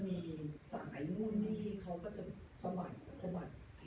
มีสายนู่นนี่เขาก็จะสะบัดสะบัด